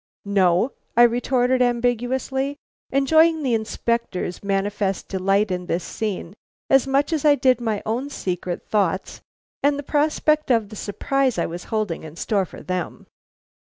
"No?" I retorted ambiguously, enjoying the Inspector's manifest delight in this scene as much as I did my own secret thoughts and the prospect of the surprise I was holding in store for them.